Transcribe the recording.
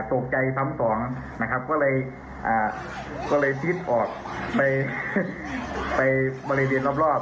ตกใจพร้อมสองนะครับก็เลยอ่าก็เลยพีชออกไปไปบริเวณรอบรอบ